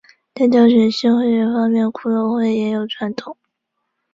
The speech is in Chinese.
在挑选新会员方面骷髅会也有传统。